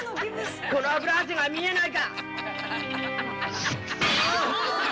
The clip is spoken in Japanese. この脂汗が見えないか。